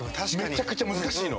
めちゃくちゃ難しいの。